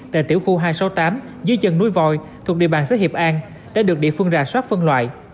tại tiểu khu hai trăm sáu mươi tám dưới chân núi vòi thuộc địa bàn xã hiệp an đã được địa phương rà soát phân loại